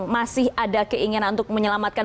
masih ada keinginan untuk menyelamatkan